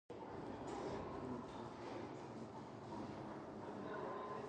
The rooms were spacious, well-maintained, and equipped with all the necessary amenities.